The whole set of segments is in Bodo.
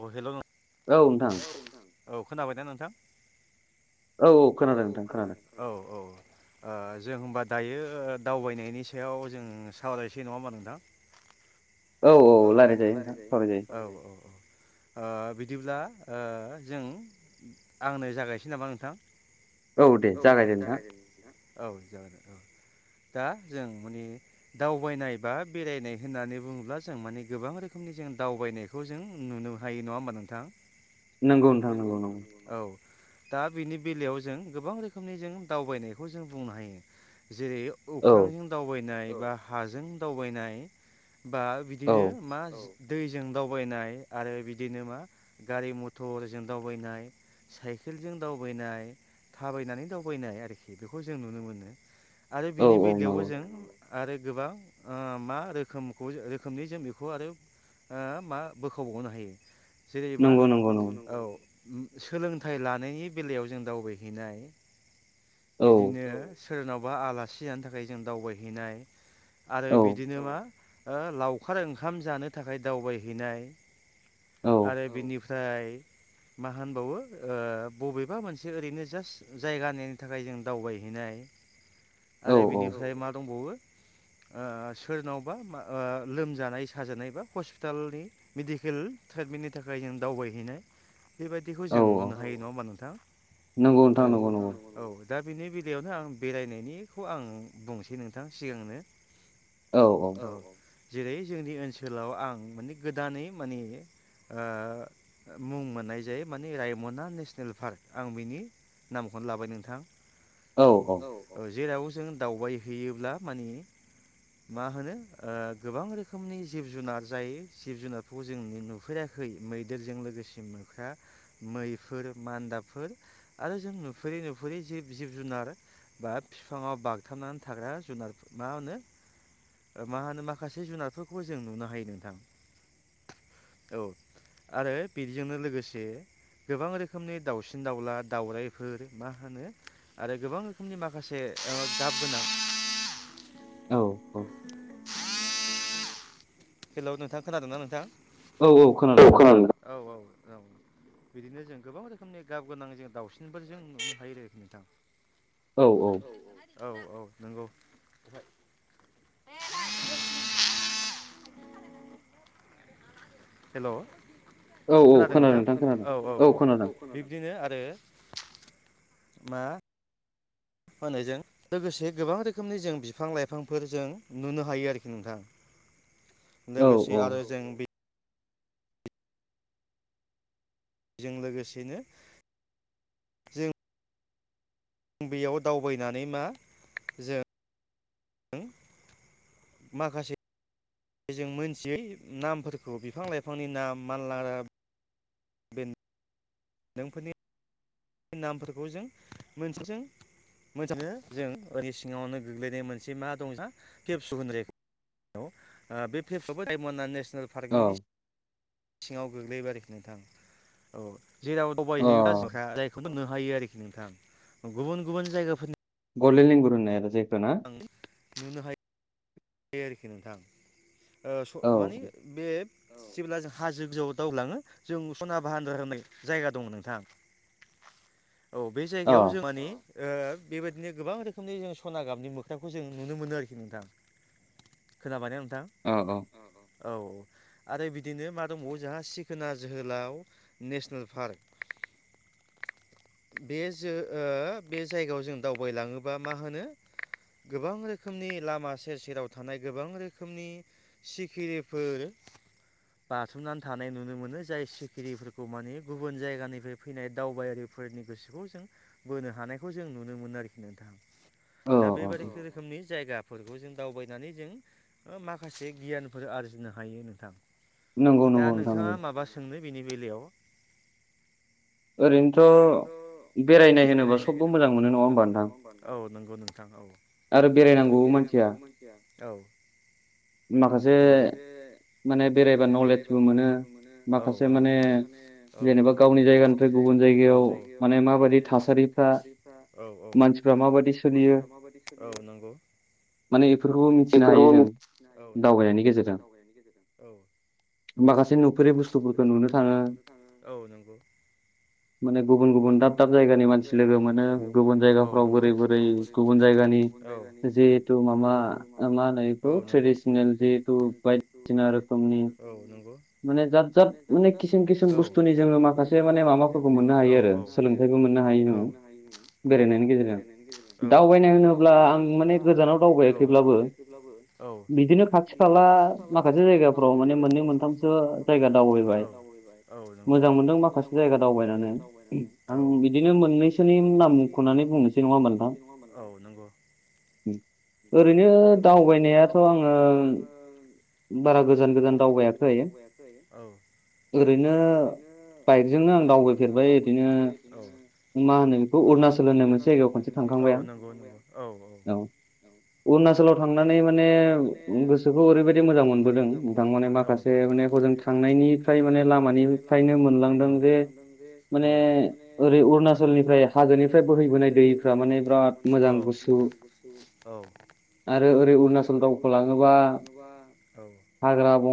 अ हेल नों औ नोंथां। औ खोनाबाय दा नोंथां? औ औ खोनदों औ औ ओ जों होमबा दायो ओ दावबायनायनि सायाव जों सावरायसै नङा होमबा नोंथां? औ औ लायरायजायो औ औ औ ओ बिदि बिदिब्ला ओ जों आंनो जागायसै नामा नोंथां? औ दे जागायदे दे नोंथांआ औ जागो दे जागोन औ। दा जों माने दावबायनाय बा बेरायनाय होननानै बुङोब्ला जों माने गोबां रोखोमनि जों दावबायनायखौ जों नुनो हायो नङा होमबा नोंथां? नंगौ नोंथां नोंगौ नोंगौ। दा बिनि बेलायाव जों गोबां रोखोमनि जों दावबायनायखौ जों बुंनो हायो। जेरै अख्रांजों दावबायनाय बा हाजों दावबायनाय बा बिदिनो मा दैजों दावबायनाय आरो बिदिनो मा गारि मथरजों दावबायनाय साइकेलजों दावबायनाय थाबायनानै दावबायनाय आरोखि बेखौ जों नुनो मोनो। आरो बिनि बेलायावबो जों आरो गोबां ओ मा रोखोमखौ जों रोखोम मनि जों बेखौ ओ आरो मा बोखावबावनो हायो। जेरै मा नंगौ नंगौ औ। सोलोंथाइ लानायनि बेलायाव जों दावबायहैनाय बिदिनो सोरनावबा आलासि जानो थाखाय जों दावबायहैनाय आरो बिदिनो मा ओ लाव खार ओंखाम जानो थाखाय दावबायहैनाय आरो बिनिफ्राय मा होनबावो ओ बबेबा मोनसे ओरैनो जास्ट जायगा नायनि थाखाय जों दावबायहैनाय आरो बिनिफ्राय मा दंबावो ओ सोरनावबा मा ओ लोमजानाय साजानाय बा हस्पिटालनि मेडिकेल ट्रिटमेन्टनि थाखाय जों दावबायहैनाय बेबायदिखौ जों नुनो हायो नङा होमबा नोंथां? दा बिनि बेलायावनो आं बेरायनायनिखौ आं बुंनोसै नोंथां सिगांनो औ औ। जेरै जोंनि ओनसोलाव आं माने गोदानै माने ओ मुं मोननाय जायो माने रायमना नेसनेल पार्क आं बिनि नामखौनो लाबाय नोंथां औ औ औ जेराव जों दावबाय हैैयोब्ला मानि मा होनो ओ गोबां रोखोमनि जिब जुनार जायो जिब जुनारखौ जों नुफेराखै मैदेरजों लोगोसेमोन हा मैफोर मान्दाबफोर आरो जों नुफेरै नुफुरै जिब जिब जुनार बा बिफाङाव बागथाबनानै थाग्रा जुनार मा होनो मा होनो माख खासे जुनारफोरखौ जों नुनो हायो नोंथां। औ आरो बेदिजोंनो लोगोसे गोबां रोखोमनि दाउसिन दाउला दावराइफोर मा होनो आरो गोबां रोखोमनि माखासे ओ गाबगोनां औ औ। हेल' नोंथां खोनादोंना नोंथां? औ खोनादों औ औ औ बिदिनो जों गोबां रोखोमनि गाब गोनां जों दाउसिनफोरजों नुनो हायो आरोखि नोंथां औ औ नंगौ हेल' खोनादों नोंथां औ औ औ बिब्दिनो आरो मा होनायजों लोगोसे गोबां रोखोमनि जों बिफां लाइफांफोर जों नुनो हायो आरोखि नोंथां लोगोसे आरो जों बे जों लोगोसेनो जों बेयाव दावबायनानै मा जों जों माखासे जों मोनथियै नामफोरखौ बिफां लाइफांनि नाम मानलाग्रा बेन दोंफोरनि नामफोरखौ जों मोनसेजों मोनथिनो जों ओरै सिङावनो गोग्लैनाय मोनसे मा दं जों [unintelligible] बे [unintelligible] रायमना नेसनेल पार्कनि सिङाव गोग्लैबाय आरोखि नोंथां औ जेराव दावबायहैयोबा जायखौ मोननो हायो आरोखि नोंथां गुबुन गुबुन जायगाफोरनि गलदेन लेंगुर होननाया जे आं नुनो हायो। बे आरोखि नोंथां ओ माने बे जेब्ला जों हाजो गोजौआव दावलाङो जों सना बाहान्दा होनाय जायगा दङ नोंथाङा औ बे जायगायाव जों मानि ओ बेबायदिनो गोबां रोखोमनि जों सना गाबनि मोख्राखौ जों नुनो मोनो आरोखि नोंथां खोनाबायना अ अ औ आरो बिदिनो मा दंबावो जोंहा सिखोना जोहोलाव नेसनेल पार्क [inaudible] बे जो ओ बे जायगायाव जों दावबायलाङोबा मा होनो गोबां रोखोमनि लामा सेर सेराव थानाय गोबां रोखोमनि सिखिरिफोर बाथुमनानै थानाय नुनो मोनो जाय सिखिरिफोरखौ माने गुबुन जायगानिफ्राय फैनाय दावबायारिफोर नि गोसोखौ जों बोनो हानायखौ जों नुनो मोनो आरोखि नोंथां दा बेबायदि रोखोमनि जायगाफोरखौ जों दावबाय होननानै जों माखासे गियानफोर आरजिनो हायो नोंथां नंगौ नंगौ नोंथां नंगौ बेनि बेलायाव ओरैनोथ' बेरायनाय होनोबा सबबो मोजां मोनो नङा होमबानो औ नंगौ नोंथां औ आरो बेरायनांगौबो मानसिया औ जन बे [unintelligible] माने बेरायबा नलेजबो मोनो औ औ सासे माने औ जेनेबा गावनि जायगानि जायगायाव माने माबायदि थासारिफ्रा औ औ मानसिफ्रा माबायदि औ नंगौ माने इफोरखौबो मिथिनो हायो जों औ नंगौ दावबायनायनि गेजेरजों औ माखासे नखरनि बुस्थुफोरखौ नुनो थाङो औ नंगौ माने गुबुन गुबुन दाब दाब जायगानि मानसि लोगो मोनो गुबुन जायगाफ्राव बोरै बोरै गुबुन जायगा नि जिहेतु मामा मा होनो इखौ ट्रेडिसनेल जिहेतु बायदिसिना रोखोमनि माने जाद जाद माने किसुमान किसुमान बुस्थुनि जोङो माखासे माने माबाफोरखौ मोननो हायो आरो सोलोंथाइ बो मोननो हायो जोङो बेरायनायनि गेजेरजों दावबायनाय होनोब्ला आं माने गोजानाव दावबायाख थेवब्लाबो बिदिनो खाथि खाला माखासे जायगाफ्राव माने मोननै मोनथामसो जायगा दावबायबाय औ नंगौ मोजां मोनदों माखासे जायगा दावबायनानै औ बिदिनो मोननैसो नाम मख'नानै बुंनोसै नङा होनबा औ नंगौ [unintelligible] ओरैनो दावबायनायाथ' आङो बारा गोजान गोजान दावबायाखै ओरैनो बाइकजोंनो आं दावबायफेरबाय ओरैनो मा होनो बेखौ अरुणाचल होनो मोनसे जायगायाव खनसे थांखांबाय आं औ उननाचलाव थांनानै माने गोसोखौ ओरैबायद मोजां मोनबोदों नोंथां माने माखासे माने हजों थांनायनिफ्राय माने लामानिफ्रायनो मोनलांदों बे माने ओरै अरुणाचलनिफ्राय हाजोनिफ्राय बोहैबोनाय दैफ्रा माने बिराद औ मोजां बुस्थु आरो ओरै अरुणाचल दावखोलाङोबा बा औ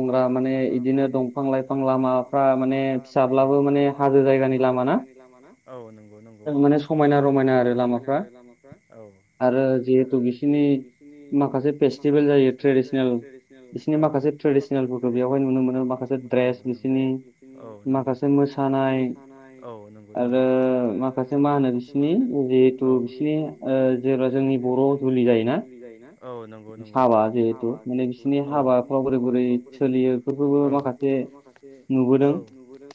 हाग्रा बंग्रा माने इदिनो दंफां- लाइफां लामाफ्रा माने औ फिसाब्लाबो माने हाजो जायगानि लामा ना औ नंगौ नंगौ माने समायना रमायना आरो लामाफ्रा औ आरो जिहेथु बिसोरनि माखासे फेस्टिभेल जायो ट्रेडिसनेल बिसोरनि माखासे ट्रेडिसनेलफोरखौ बेवहाय नुनो मोनो एम्फ्राय औ नंगौ माखासे मोसानायऔ नंगौ नंनौ आरो माखासे मा होनो बिसिनिऔ जिहेतु ओ जेब्ला जोंनि बर' जुलि जायोना हाबा जेहेथु माने बिस औ नि हाबाफ्राव बोरै बोरै सोलियो बेफोरखौबो औ माखासे नुबोदों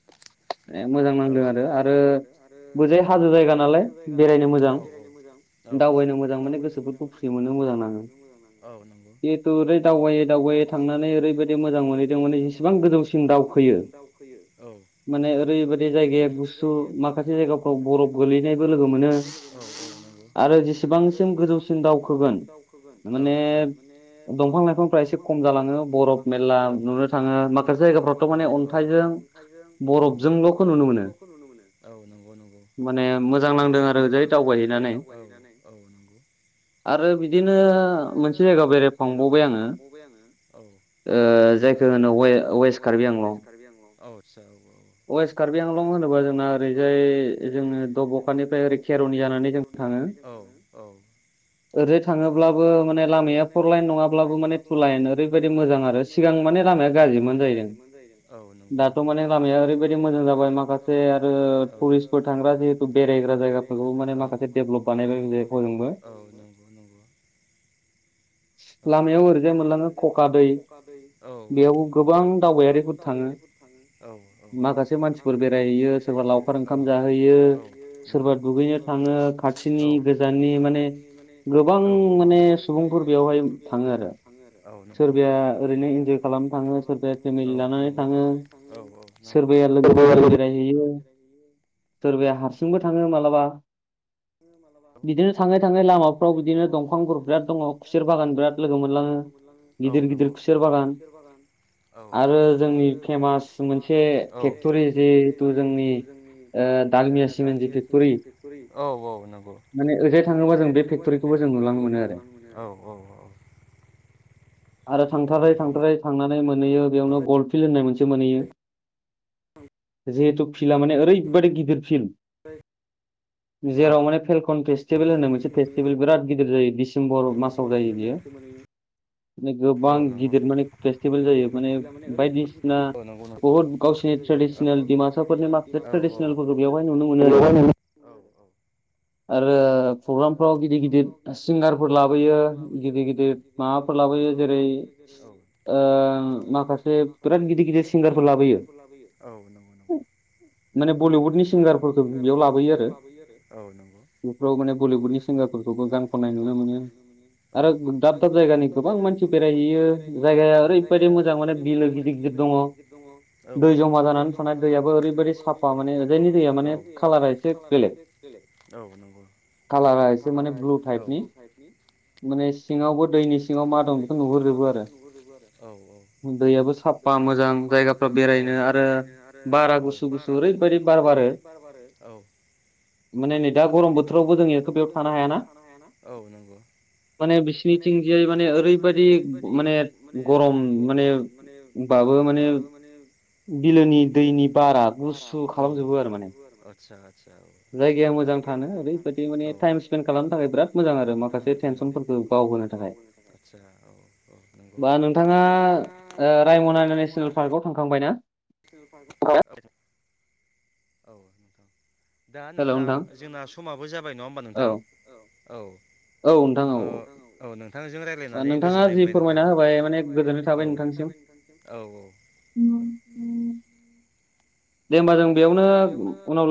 औ मोजां नांदों आरो आरो औ बोजाय हाजो जायगा नालाय औ बेरायनो मोजां दावबायनो मोजां माने गोसोखो [unintelligible] मोनो मोजां नाङो जिहेथु बै दावबाय बाय थांनानै ओरैबायदि मोजां मोनहैदों माने एसेबां गोजौसिन दावखोयो माने ओरैबादि जायगाया गुसु माखासे जायगाफ्राव बरफ गोलैनायबो लोगो मोनो आरो जेसेबांसिम गोजौसिन [unintelligible] गोन माने दंफां- लाइफांफ्रा एसे [unintelligible] एसे खम जालाङो ओ बरफ मेला नुनो थाङो माखासे जायगाफ्रावथ' माने अन्थाइजों औ [unintelligible] खौ नुनो मोनो माने मोजां नांदों आरो ओरैजाय दावबायहैनानै औ आरो बिदिनो मोनसे जायगा बेरायफांबावबाय आङो औ ओ जायखो होनो वे वेस्ट कार्बि आंलं वेस्ट कार्बि आंलं होनोबा जोंना ओरैजाय जोङो दब'खानिफ्राय ओरै केर'नि जानानै जों थाङो। ओरैजाय थाङोब्लाबो माने लामाया फर लाइन नङाब्लाबो माने [unintelligible] लाइन ओरैबायदि मोजां आरो सिगां माने लामाया गाज्रिमोन जाहैदों दाथ' माने लामाया ओरैबायदि मोजां जाबाय माखासे आरो टुरिस्टफोर थांग्रा जिहेथु बेरायग्रा जायगाफोरखौ मे माखासे देब [unintelligible] हजोंबो लामायाव ओरै लामायाव ओरैजाय मोनलाङो खखा दै औ औ बेयाव गोबां दावबायारिफोर थाङो औ माखासे मानसिफोर बेरायहैयो सोरबा लावखार ओंखाम जाहैयो सोरबा दुगैनो थाङो खाथ थिनि गोजाननि माने गोबां माने सुबुंफोर बेयाव थाङो आरो औ नंगौ सोरबाया ओरैनो इनजय खालामनो औ नंगौ औ औ [unintelligible] [unintelligible] लोगोफोरजों बेरायहैयो सोरबाया हारसिंबो थाङो मालाबा बिदिनो थाङै थाङै लामाफ्राव बिदिनो दंफांफोर बिराद दङ' खुसेर बागान बिराद लोगो मोनलाङो औ नंगौ गिदिर गिदिर खुसेर बागान आरो जोंनि फेमास मोनसे फेक्टरि जिहेथु जोंनि ओ [unintelligible] औ औ नांगौ माने ओरैजाय थाङोबा जों बे फेक्ट'रिखौबो जों नुलांनो मोनो औ औ औ आरो थांथारै थांथारै थांनानै मोनहैयो बेयावनो गल फिल्ड होननाय मोनसे मोनहैयो जिहेतु फिला माने ओरैबादि गिदिर फिल जेराव माने फेलकन फेस्टिभेल होनो मोनसे फेस्टिभेल बिराद गिदिर जायो दि सेम्बर मासाव जायो बियो औ नंगौ [unintelligible] ओ नंगौ नं औ औ [unintelligible] आरो प्रग्रामफ्राव गिदिर गिदिर सिंगारफोर लाबोयो गिदिर गिदिर माबाफोर लाबोयो जेरै ओ माखासे बिराद गिदिर गिदिर सिंगारफोर लाबोयो माने बलिउडनि सिंगारफोरखौ बेयाव लाबोयो आरो औ नंगौ बेफ्राव माने बलिउडनि सिंगारफोरखौबो गान खननाय नुनो मोनो आरो [unintelligible] दाब दाब जायगा दाब जायगानि गोबां मानसिबो बेरायहैयो जायगाया ओरैबायदि मोजां माने बिलो गिदिर गिदिर दङ औ दै जमा जानानै थानाय दैयाबो ओरैबायदि साफा माने ओ दैया माने खाालारा माने एसे बेलेग औ नंगौ कालारा एसे माने ब्लु टाइपनि माने सिङावबो दै सिङावबो दैनि सिङाव मा दंस नुबोजोबो आरो औ औ दैयाबो साफा मोजां जायगाफ्रा बेरायनो आरो बारा गुसु गुसु ओरैबायदि बार बारो एरै बार बारो औ। माने नै दा गरम बोथोरावबो जोंखौ बेयाव थानो हायाना माने बिसि। सिनिथिंजायै माने ओरैबायदि माने गरम माने बाबो माने। माने। बिलोनि दैनि बारा गुसु खालामजोबो आरो माने। औ। जायगाया मोजां थानो ओरैबायदि माने टाइम स्पेन्ड खालामनो थाखाय बिराद मोजां आरो माखासे टेनसनफोरखौ [unintelligible] बाव। आसा औ औ नंगौ दा नोंथाङा रायमनानानै। आव थांखांबाय ना। [inaudible] औ नोंथां दा नोंथां जोंना समाबो जाबाय नङा होमबा नोंथां औ। औ। ओ औ नोंथांजों रायज्लायनानै गोजोननाय मोनबाय नोंथां फोरमायना होबाय माने गोजोन्नाय थाबाय। औ औ औ। दे होमबा जों बेयावनो उनाव लो।